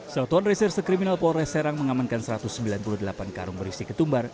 satuan reserse kriminal polres serang mengamankan satu ratus sembilan puluh delapan karung berisi ketumbar